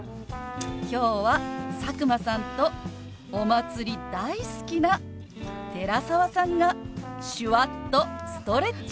今日は佐久間さんとお祭り大好きな寺澤さんが手話っとストレッチ！